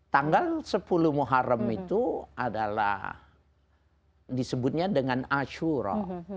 tanggal sepuluh muharrem itu adalah disebutnya dengan ashura